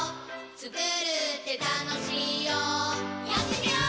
つくるってたのしいよやってみよー！